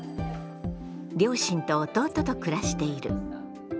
両親と弟と暮らしている。